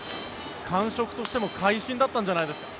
感触としても会心だったんじゃないですか。